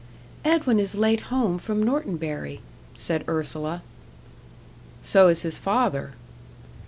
"Edwin is late home from Norton Bury," said Ursula. "So is his father."